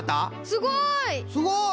すごい。